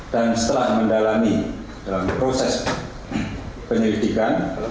dan setelah mendalami dalam proses penyidikan